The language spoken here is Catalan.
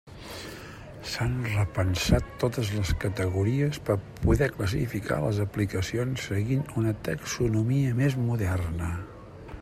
S'han repensat totes les categories per poder classificar les aplicacions seguint una taxonomia més moderna.